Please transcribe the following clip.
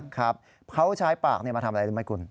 ครับเขาใช้ปากมาทำอะไรรู้ไหมคุณ